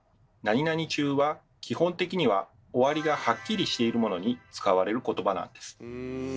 「中」は基本的には「終わり」がハッキリしているものに使われる言葉なんです。